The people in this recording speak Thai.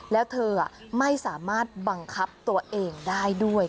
แล้วเธอไม่สามารถบังคับตัวเองได้ด้วย